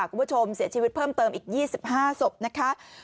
คุณผู้ชมเสียชีวิตเพิ่มเติมอีก๒๕ศพนะคะ